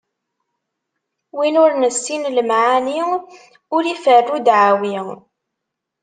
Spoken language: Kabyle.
Win ur nessin lemɛani, ur iferru ddɛawi.